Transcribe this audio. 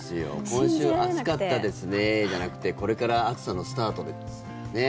今週暑かったですねじゃなくてこれから暑さのスタートですね。